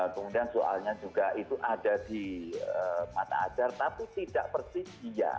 kemudian soalnya juga itu ada di mata ajar tapi tidak persis iya